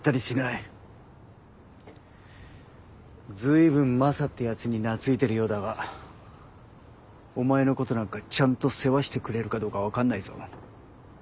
随分マサってやつに懐いてるようだがお前のことなんかちゃんと世話してくれるかどうか分かんないぞ。